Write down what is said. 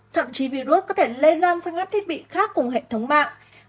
thậm chí virus có thể lây lan sang các thiết bị khác cùng hệ thống mạng